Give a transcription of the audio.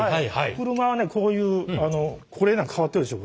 車はねこういうこれなんか変わってるでしょ